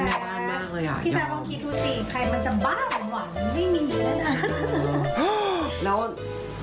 สุดยอดแม่บ้านมากเลยอ่ะพี่จ้าต้องคิดดูสิใครมันจะบ้าของหวานไม่มีแล้วน่ะ